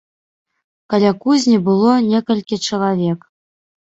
Каля кузні было некалькі чалавек.